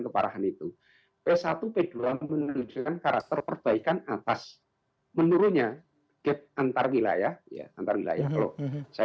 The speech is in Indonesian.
keparahan itu p satu p dua menunjukkan karakter perbaikan atas menurutnya antarwilayah antarwilayah saya